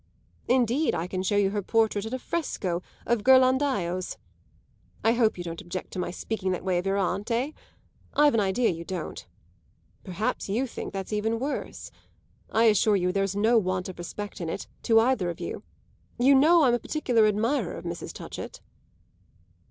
Indeed I can show you her portrait in a fresco of Ghirlandaio's. I hope you don't object to my speaking that way of your aunt, eh? I've an idea you don't. Perhaps you think that's even worse. I assure you there's no want of respect in it, to either of you. You know I'm a particular admirer of Mrs. Touchett."